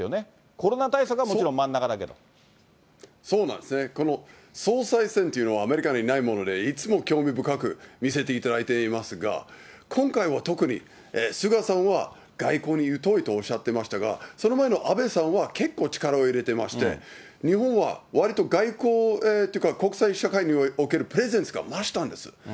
コロナ対策はもちろん真ん中だけそうなんですね、この総裁選というのは、アメリカにないもので、いつも興味深く見せていただいていますが、今回は特に菅さんは外交に疎いとおっしゃっていましたが、その前の安倍さんは結構、力を入れていまして、日本はわりと外交というか国際社会におけるプレゼンスが増したんです。